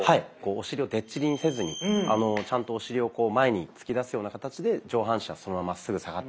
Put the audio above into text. お尻を出っ尻にせずにちゃんとお尻を前に突き出すような形で上半身はそのまままっすぐ下がってくる。